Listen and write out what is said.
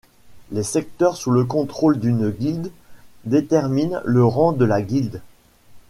Les secteurs sous le contrôle d'une guilde déterminent le rang de la guilde.